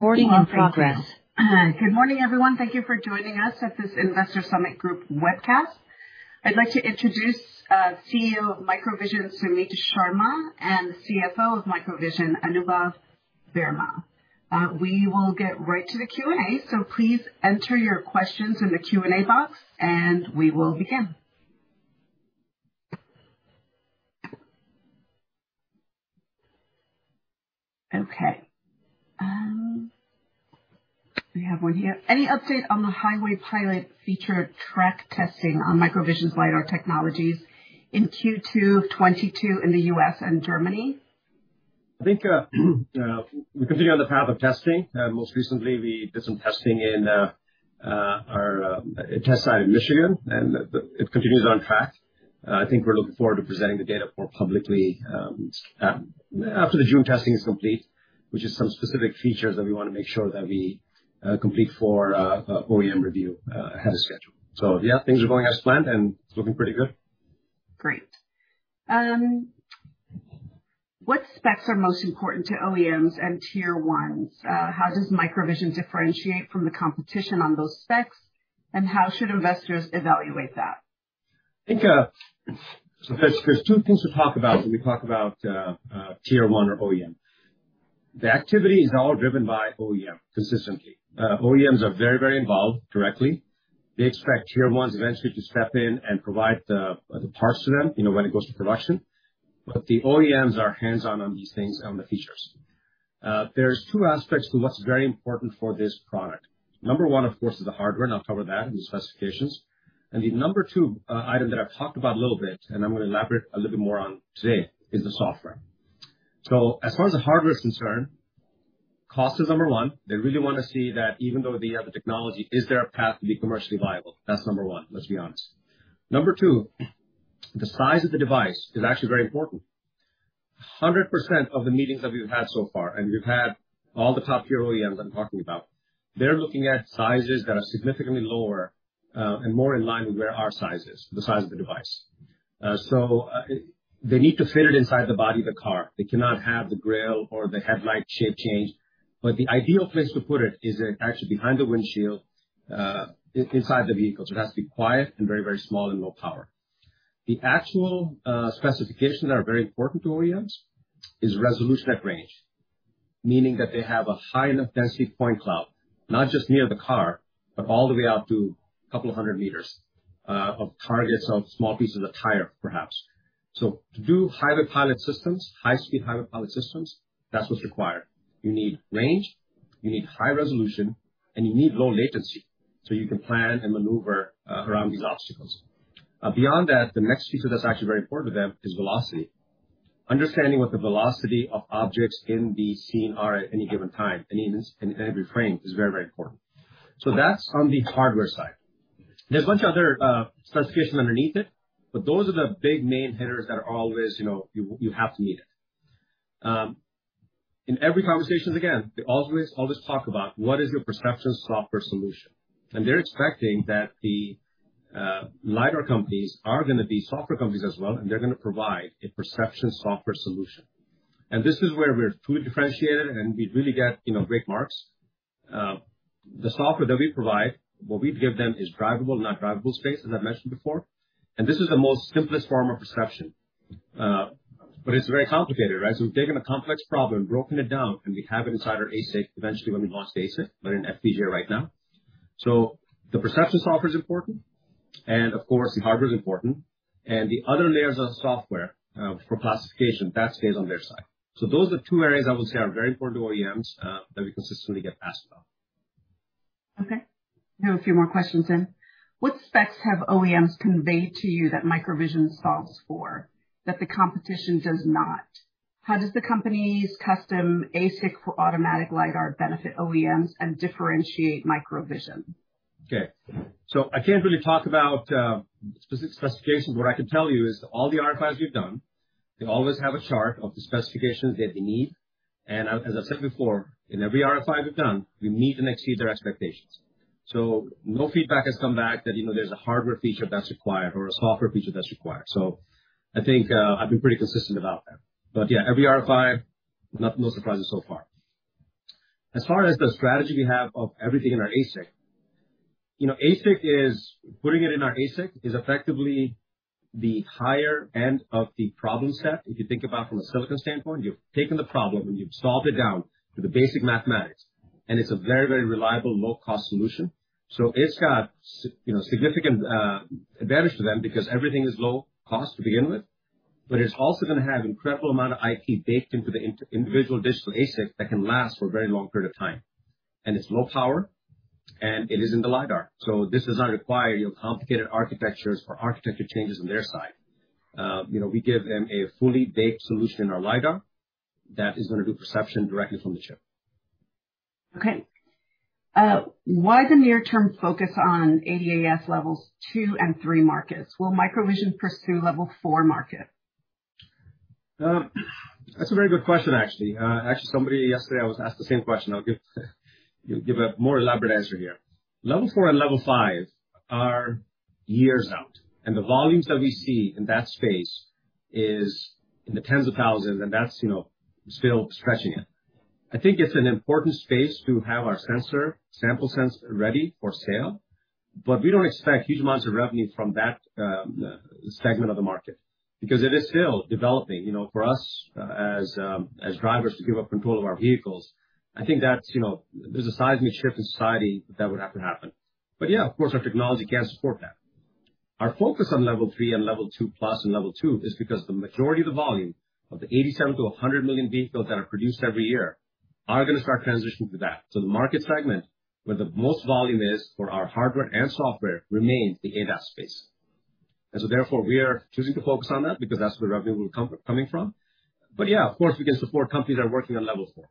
Good morning, everyone. Thank you for joining us at this Investor Summit Group webcast. I'd like to introduce CEO of MicroVision, Sumit Sharma, and the CFO of MicroVision, Anubhav Verma. We will get right to the Q&A, so please enter your questions in the Q&A box, and we will begin. Okay. We have one here. Any update on the highway pilot feature track testing on MicroVision's LIDAR technologies in Q2 of 2022 in the U.S. and Germany? I think we continue on the path of testing. Most recently we did some testing in our test site in Michigan, and it continues on track. I think we're looking forward to presenting the data more publicly after the June testing is complete. Which is some specific features that we wanna make sure that we complete for OEM review ahead of schedule. Yeah, things are going as planned and it's looking pretty good. Great. What specs are most important to OEMs and tier ones? How does MicroVision differentiate from the competition on those specs, and how should investors evaluate that? I think, so there's two things to talk about when we talk about tier one or OEM. The activity is all driven by OEM consistently. OEMs are very, very involved directly. They expect tier ones eventually to step in and provide the parts to them, you know, when it goes to production. The OEMs are hands-on on these things, on the features. There's two aspects to what's very important for this product. Number one, of course, is the hardware, and I'll cover that in the specifications. The number two item that I've talked about a little bit, and I'm gonna elaborate a little bit more on today, is the software. As far as the hardware is concerned, cost is number one. They really wanna see that even though they have the technology, is there a path to be commercially viable? That's number one, let's be honest. Number two, the size of the device is actually very important. 100% of the meetings that we've had so far, and we've had all the top tier OEMs I'm talking about. They're looking at sizes that are significantly lower, and more in line with where our size is, the size of the device. They need to fit it inside the body of the car. They cannot have the grill or the headlight shape change. The ideal place to put it is actually behind the windshield, inside the vehicle. It has to be quiet and very, very small and low power. The actual specifications that are very important to OEMs is resolution at range, meaning that they have a high enough density point cloud, not just near the car, but all the way out to a couple of hundred meters of targets of small pieces of tire, perhaps. To do highway pilot systems, high speed highway pilot systems, that's what's required. You need range, you need high resolution, and you need low latency, so you can plan and maneuver around these obstacles. Beyond that, the next piece that's actually very important to them is velocity. Understanding what the velocity of objects in the scene are at any given time, and even in every frame, is very, very important. That's on the hardware side. There's a bunch of other specifications underneath it, but those are the big main hitters that are always, you know, you have to meet it. In every conversation, again, they always talk about what is your perception software solution? They're expecting that the LIDAR companies are gonna be software companies as well, and they're gonna provide a perception software solution. This is where we're truly differentiated and we really get, you know, great marks. The software that we provide, what we give them is drivable, not drivable space, as I've mentioned before. This is the most simplest form of perception. But it's very complicated, right? We've taken a complex problem, broken it down, and we have it inside our ASIC, eventually when we launch the ASIC, but in FPGA right now. The perception software is important and of course the hardware is important. The other layers of software for classification, that stays on their side. Those are two areas I would say are very important to OEMs that we consistently get asked about. Okay. I have a few more questions then. What specs have OEMs conveyed to you that MicroVision solves for, that the competition does not? How does the company's custom ASIC for automotive LIDAR benefit OEMs and differentiate MicroVision? Okay. I can't really talk about specific specifications. What I can tell you is all the RFIs we've done, they always have a chart of the specifications that they need. As I've said before, in every RFI we've done, we meet and exceed their expectations. No feedback has come back that, you know, there's a hardware feature that's required or a software feature that's required. I think I've been pretty consistent about that. Yeah, every RFI, no surprises so far. As far as the strategy we have of everything in our ASIC, you know, putting it in our ASIC is effectively the higher end of the problem set. If you think about from a silicon standpoint, you've taken the problem and you've solved it down to the basic mathematics, and it's a very, very reliable, low cost solution. It's got a significant advantage to them because everything is low cost to begin with. It's also gonna have incredible amount of IP baked into the individual digital ASIC that can last for a very long period of time. It's low power, and it is in the LIDAR. This does not require you know, complicated architectures or architecture changes on their side. You know, we give them a fully baked solution in our LIDAR that is gonna do perception directly from the chip. Okay. Why the near term focus on ADAS levels two and three markets? Will MicroVision pursue level four market? That's a very good question actually. Actually somebody yesterday I was asked the same question. I'll give a more elaborate answer here. Level four and level five are years out. The volumes that we see in that space Is in the tens of thousands, and that's, you know, still stretching it. I think it's an important space to have our sensor, MOVIA S ready for sale. We don't expect huge amounts of revenue from that segment of the market because it is still developing, you know, for us as drivers to give up control of our vehicles. I think that's, you know, there's a seismic shift in society that would have to happen. Yeah, of course, our technology can support that. Our focus on level three and level two plus and level two is because the majority of the volume of the 87-100 million vehicles that are produced every year are gonna start transitioning to that. The market segment where the most volume is for our hardware and software remains the ADAS space. Therefore we are choosing to focus on that because that's where revenue will be coming from. Yeah, of course, we can support companies that are working on level four.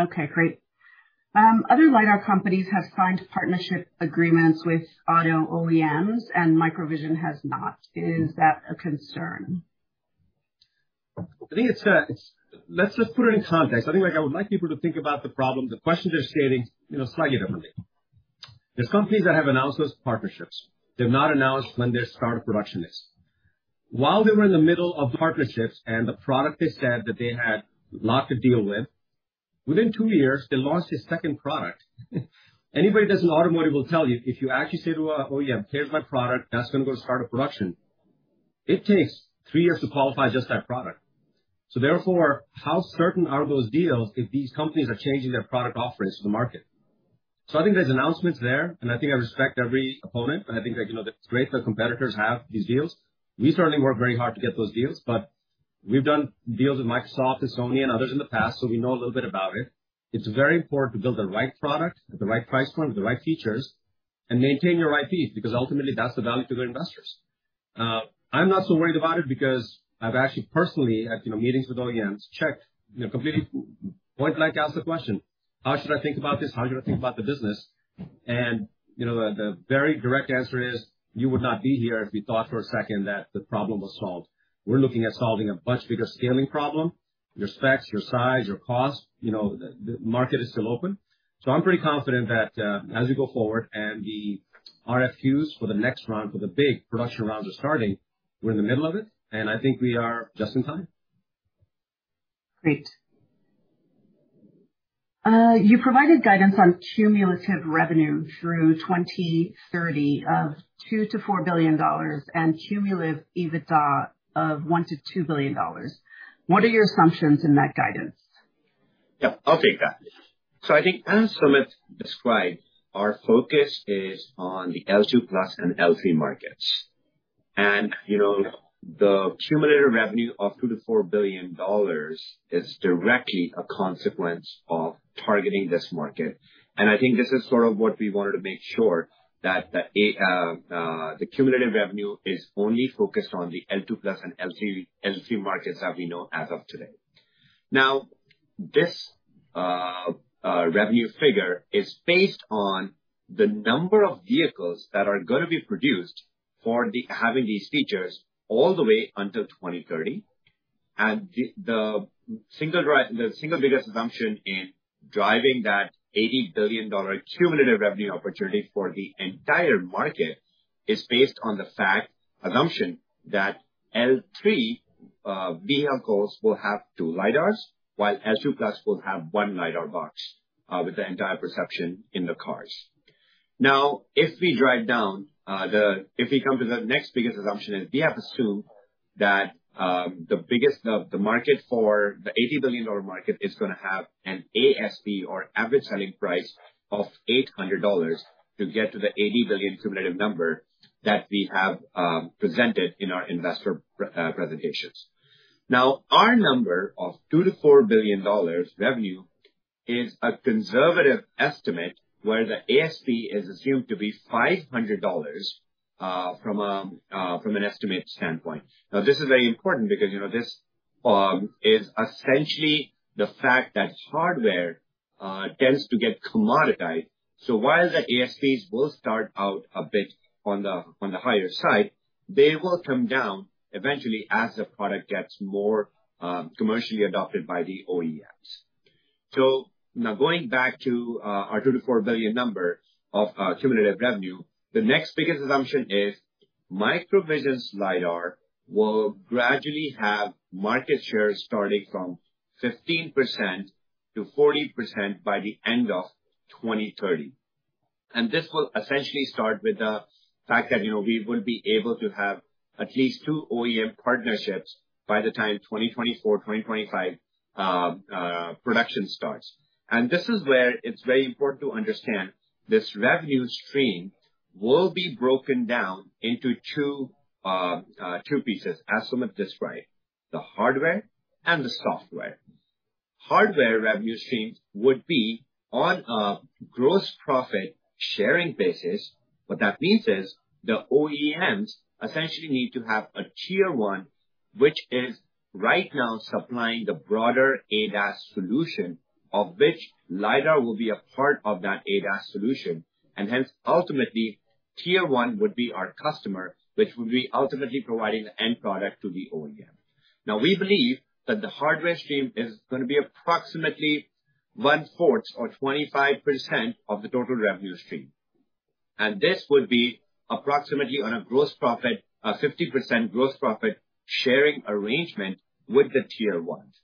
Okay, great. Other LIDAR companies have signed partnership agreements with auto OEMs and MicroVision has not. Is that a concern? Let's just put it in context. I think, like, I would like people to think about the problem, the question they're stating, you know, slightly differently. There's companies that have announced those partnerships. They've not announced when their start of production is. While they were in the middle of partnerships and the product they said that they had a lot to deal with, within two years, they launched a second product. Anybody that's in automotive will tell you, if you actually say to a OEM, "Here's my product, that's gonna go to start of production," it takes three years to qualify just that product. Therefore, how certain are those deals if these companies are changing their product offerings to the market? I think there's announcements there, and I think I respect every opponent, and I think that, you know, it's great that competitors have these deals. We certainly work very hard to get those deals, but we've done deals with Microsoft, Sony and others in the past, so we know a little bit about it. It's very important to build the right product at the right price point with the right features and maintain your IP, because ultimately that's the value to the investors. I'm not so worried about it because I've actually personally had, you know, meetings with OEMs, you know, completely point-blank asked the question, "How should I think about this? How should I think about the business?" you know, the very direct answer is, "You would not be here if you thought for a second that the problem was solved. We're looking at solving a much bigger scaling problem. Your specs, your size, your cost, you know, the market is still open. I'm pretty confident that, as we go forward and the RFQs for the next round, for the big production rounds are starting, we're in the middle of it, and I think we are just in time. Great. You provided guidance on cumulative revenue through 2030 of $2 billion-$4 billion and cumulative EBITDA of $1 billion-$2 billion. What are your assumptions in that guidance? Yeah, I'll take that. I think as Sumit described, our focus is on the L2+ and L3 markets. You know, the cumulative revenue of $2 billion-$4 billion is directly a consequence of targeting this market. I think this is sort of what we wanted to make sure that the cumulative revenue is only focused on the L2+ and L3 markets that we know as of today. This revenue figure is based on the number of vehicles that are gonna be produced having these features all the way until 2030. The single biggest assumption in driving that $80 billion cumulative revenue opportunity for the entire market is based on the fact assumption that L3 vehicles will have two LIDARs, while L2+ will have one LIDAR box with the entire perception in the cars. If we come to the next biggest assumption is we have to assume that the biggest market for the $80 billion dollar market is gonna have an ASP or average selling price of $800 to get to the $80 billion cumulative number that we have presented in our investor presentations. Our number of $2 billion-$4 billion revenue is a conservative estimate, where the ASP is assumed to be $500 from an estimate standpoint. Now, this is very important because, you know, this is essentially the fact that hardware tends to get commoditized. So while the ASPs will start out a bit on the higher side, they will come down eventually as the product gets more commercially adopted by the OEMs. So now going back to our $2 billion-$4 billion number of cumulative revenue, the next biggest assumption is MicroVision's LIDAR will gradually have market share starting from 15%-40% by the end of 2030. This will essentially start with the fact that, you know, we will be able to have at least two OEM partnerships by the time 2024, 2025 production starts. This is where it's very important to understand this revenue stream will be broken down into two pieces, as Sumit described. The hardware and the software. Hardware revenue streams would be on a gross profit sharing basis. What that means is the OEMs essentially need to have a tier one, which is right now supplying the broader ADAS solution of which LIDAR will be a part of that ADAS solution, and hence ultimately tier one would be our customer, which will be ultimately providing the end product to the OEM. Now, we believe that the hardware stream is gonna be approximately 1/4 or 25% of the total revenue stream. This would be approximately on a gross profit, 50% gross profit sharing arrangement with the tier ones.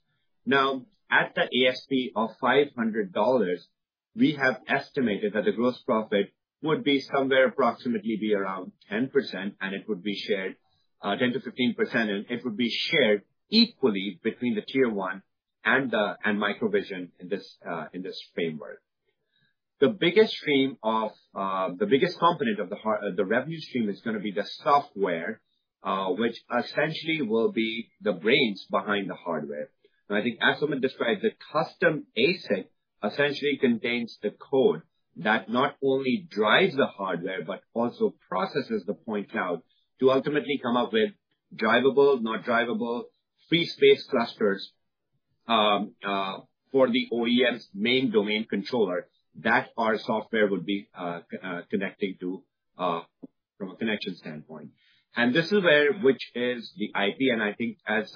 Now, at the ASP of $500, we have estimated that the gross profit would be approximately 10%, and it would be shared 10%-15%, and it would be shared equally between the tier one and MicroVision in this framework. The biggest component of the revenue stream is gonna be the software, which essentially will be the brains behind the hardware. I think as Sumit described, the custom ASIC essentially contains the code that not only drives the hardware but also processes the point cloud to ultimately come up with drivable free space clusters for the OEM's main domain controller that our software would be connecting to from a connection standpoint. This is where, which is the IP, and I think as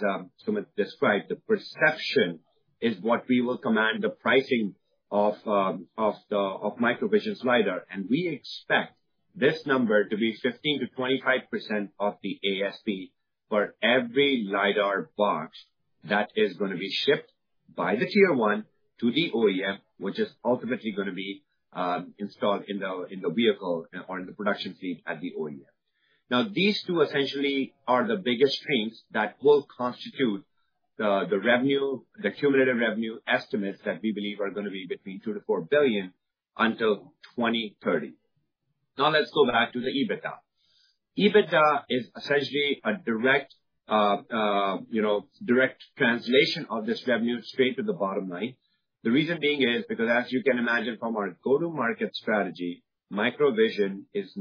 Sumit described, the perception is what we will command the pricing of MicroVision's lidar. We expect this number to be 15%-25% of the ASP for every lidar box that is gonna be shipped by the tier one to the OEM, which is ultimately gonna be installed in the vehicle or in the production fleet at the OEM. Now, these two essentially are the biggest streams that will constitute the revenue, the cumulative revenue estimates that we believe are gonna be between $2 billion-$4 billion until 2030. Now let's go back to the EBITDA. EBITDA is essentially a direct, you know, translation of this revenue straight to the bottom line. The reason being is because as you can imagine from our go-to-market strategy, MicroVision is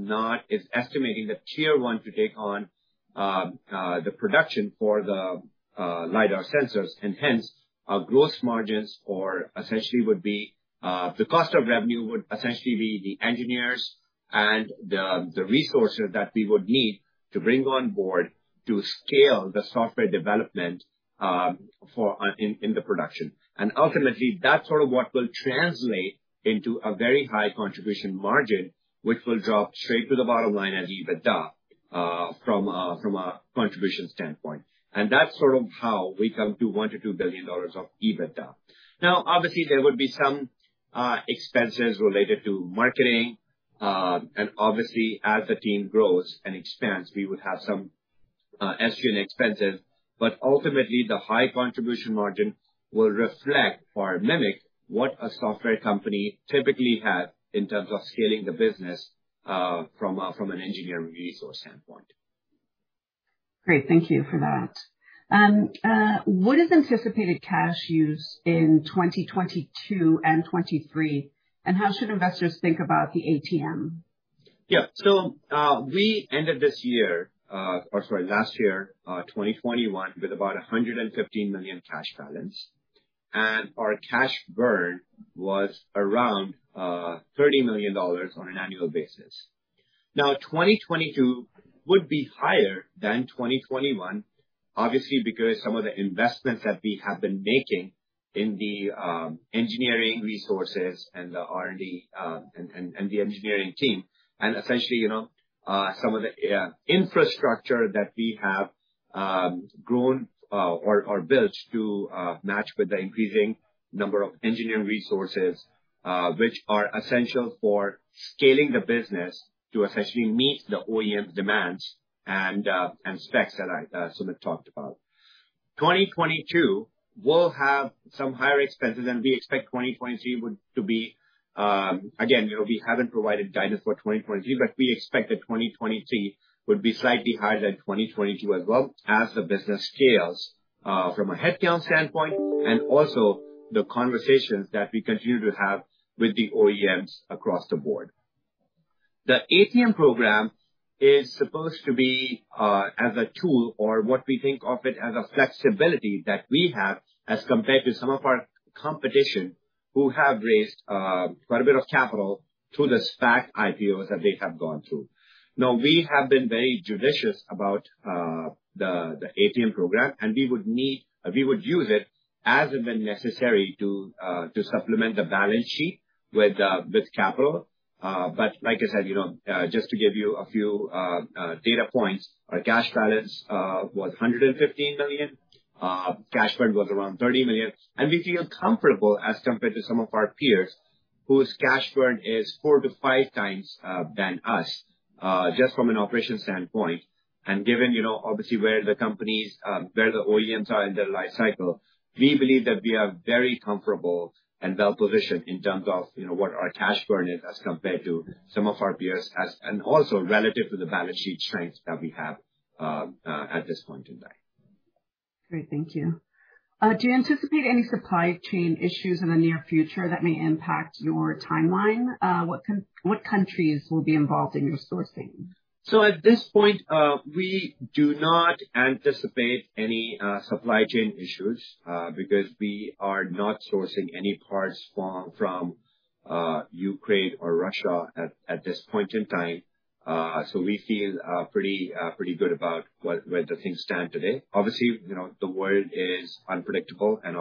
estimating the tier one to take on the production for the LIDAR sensors. Hence, our gross margins essentially would be the cost of revenue would essentially be the engineers and the resources that we would need to bring on board to scale the software development for the production. Ultimately, that's sort of what will translate into a very high contribution margin, which will drop straight to the bottom line as EBITDA from a contribution standpoint. That's sort of how we come to $1 billion-$2 billion of EBITDA. Now, obviously, there would be some expenses related to marketing. Obviously, as the team grows and expands, we would have some SG&A expenses. Ultimately, the high contribution margin will reflect or mimic what a software company typically has in terms of scaling the business from an engineering resource standpoint. Great. Thank you for that. What is anticipated cash use in 2022 and 2023, and how should investors think about the ATM? Yeah, we ended last year, 2021, with about a $115 million cash balance. Our cash burn was around $30 million on an annual basis. Now, 2022 would be higher than 2021, obviously, because some of the investments that we have been making in the engineering resources and the R&D and the engineering team, and essentially, you know, some of the infrastructure that we have grown or built to match with the increasing number of engineering resources, which are essential for scaling the business to essentially meet the OEM demands and specs that I, Sumit talked about. 2022 will have some higher expenses than we expect 2023 would to be. Again, you know, we haven't provided guidance for 2023, but we expect that 2023 would be slightly higher than 2022 as well as the business scales from a headcount standpoint, and also the conversations that we continue to have with the OEMs across the board. The ATM program is supposed to be as a tool or what we think of it as a flexibility that we have as compared to some of our competition who have raised quite a bit of capital through the SPAC IPOs that they have gone through. Now, we have been very judicious about the ATM program, and we would use it as and when necessary to supplement the balance sheet with capital. Like I said, you know, just to give you a few data points, our cash balance was $115 million. Cash burn was around $30 million. We feel comfortable as compared to some of our peers whose cash burn is four-five times than us just from an operation standpoint. Given, you know, obviously where the OEMs are in their life cycle, we believe that we are very comfortable and well-positioned in terms of, you know, what our cash burn is as compared to some of our peers, and also relative to the balance sheet strengths that we have at this point in time. Great. Thank you. Do you anticipate any supply chain issues in the near future that may impact your timeline? What countries will be involved in your sourcing? At this point, we do not anticipate any supply chain issues because we are not sourcing any parts from Ukraine or Russia at this point in time. We feel pretty good about where the things stand today. Obviously, you know, the world is unpredictable and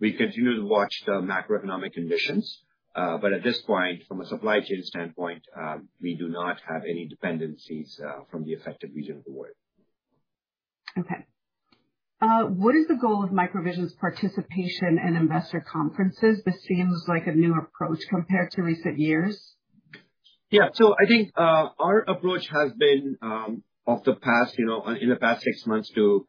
we continue to watch the macroeconomic conditions. At this point, from a supply chain standpoint, we do not have any dependencies from the affected region of the world. Okay. What is the goal of MicroVision's participation in investor conferences? This seems like a new approach compared to recent years. Yeah. I think our approach has been in the past 6 months to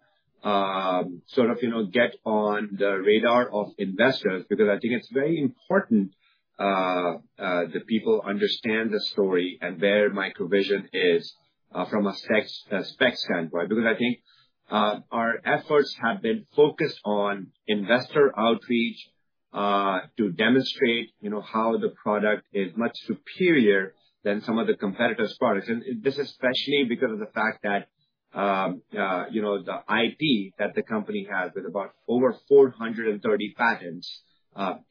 sort of get on the radar of investors because I think it's very important that people understand the story and where MicroVision is from a specs standpoint. Because I think our efforts have been focused on investor outreach to demonstrate how the product is much superior than some of the competitors' products. This especially because of the fact that the IP that the company has with about over 430 patents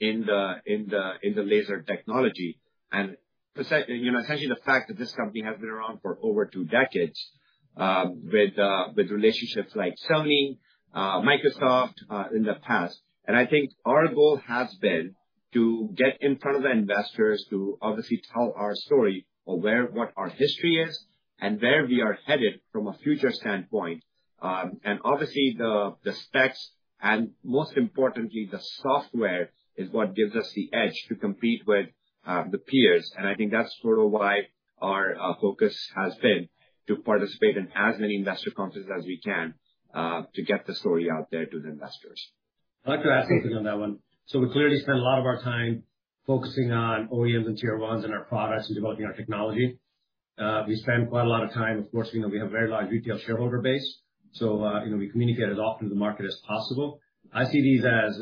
in the laser technology. Essentially the fact that this company has been around for over two decades with relationships like Sony, Microsoft in the past. I think our goal has been to get in front of the investors to obviously tell our story of where what our history is and where we are headed from a future standpoint. Obviously the specs and most importantly the software is what gives us the edge to compete with the peers. I think that's sort of why our focus has been to participate in as many investor conferences as we can to get the story out there to the investors. I'd like to add something on that one. We clearly spend a lot of our time focusing on OEMs and tier ones and our products and developing our technology. We spend quite a lot of time, of course, you know, we have a very large retail shareholder base. You know, we communicate as often to the market as possible. I see these as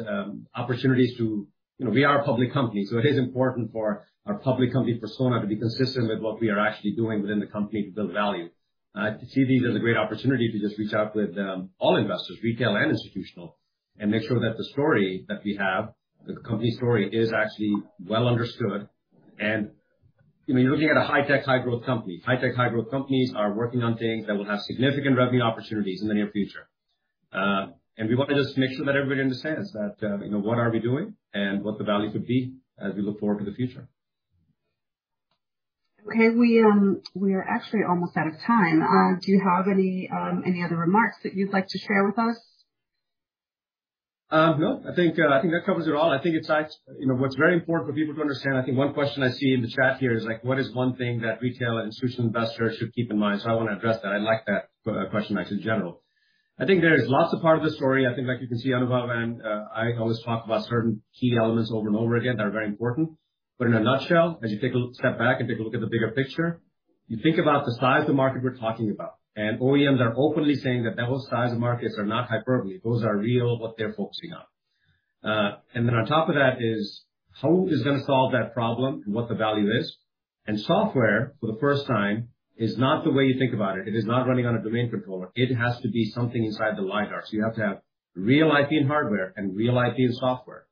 opportunities. You know, we are a public company, so it is important for our public company persona to be consistent with what we are actually doing within the company to build value. I see these as a great opportunity to just reach out with all investors, retail and institutional, and make sure that the story that we have, the company story is actually well understood. You know, you're looking at a high-tech, high-growth company. High-tech, high-growth companies are working on things that will have significant revenue opportunities in the near future. We want to just make sure that everybody understands that, you know, what are we doing and what the value could be as we look forward to the future. Okay. We are actually almost out of time. Do you have any other remarks that you'd like to share with us? No, I think that covers it all. I think it's like, you know, what's very important for people to understand. I think one question I see in the chat here is, like, what is one thing that retail institutional investors should keep in mind? I wanna address that. I like that question actually in general. I think there is lots of part of the story. I think like you can see Anubhav and I always talk about certain key elements over and over again that are very important. But in a nutshell, step back and take a look at the bigger picture. You think about the size of the market we're talking about. OEMs are openly saying that the whole size of markets are not hyperbole. Those are real, what they're focusing on. On top of that is who is gonna solve that problem and what the value is. Software, for the first time, is not the way you think about it. It is not running on a domain controller. It has to be something inside the LIDAR. You have to have real IP in hardware and real IP in software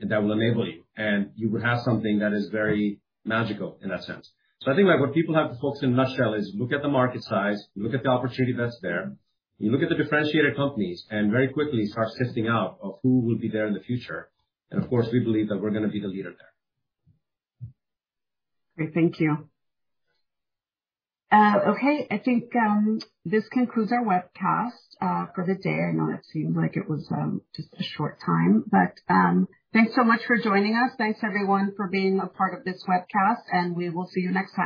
that will enable you, and you will have something that is very magical in that sense. I think that what people have to focus in a nutshell is look at the market size, look at the opportunity that's there, you look at the differentiated companies, and very quickly start sifting out of who will be there in the future. Of course, we believe that we're gonna be the leader there. Great. Thank you. Okay. I think this concludes our webcast for the day. I know that seems like it was just a short time. Thanks so much for joining us. Thanks everyone for being a part of this webcast, and we will see you next time.